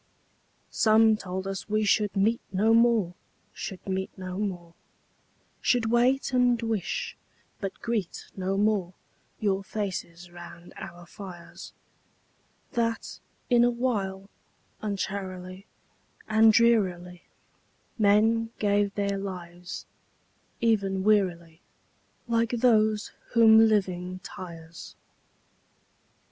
III Some told us we should meet no more, Should meet no more; Should wait, and wish, but greet no more Your faces round our fires; That, in a while, uncharily And drearily Men gave their lives—even wearily, Like those whom living tires.